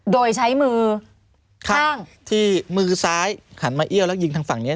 โดยใช้มือข้างที่มือซ้ายหันมาเอี้ยวแล้วยิงทางฝั่งนี้